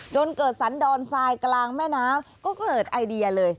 จนเกิดสันดอนทรายกลางแม่น้ำก็เกิดไอเดียเลย